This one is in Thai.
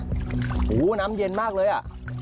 โอ้โหน้ำเย็นมากเลยอ่ะ